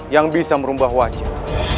yang bisa merumbah wajah